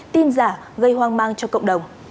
tin giả gây hoang mang cho cộng đồng